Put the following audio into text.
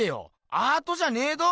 アートじゃねぇど。